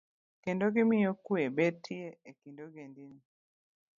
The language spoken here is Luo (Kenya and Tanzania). Kendo, gimiyo kwe betie e kind ogendini.